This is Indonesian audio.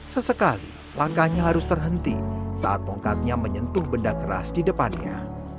sesekali langkahnya harus terhenti saat tongkatnya menyentuh benda keras di depannya